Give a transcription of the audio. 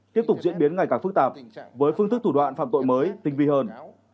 tiếp tục diễn biến ngày càng phức tạp với phương thức thủ đoạn phạm tội mới tinh vi hơn